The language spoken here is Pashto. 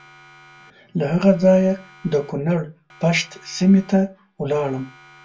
له هغه ځایه د کنړ پَشَت سیمې ته ولاړم.